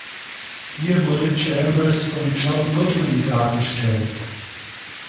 Hier wurde Chambers von John Goodman dargestellt.